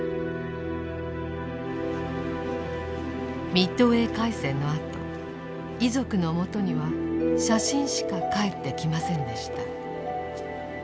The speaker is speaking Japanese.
ミッドウェー海戦のあと遺族のもとには写真しか還ってきませんでした。